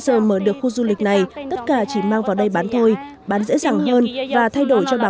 giờ mở được khu du lịch này tất cả chỉ mang vào đây bán thôi bán dễ dàng hơn và thay đổi cho bà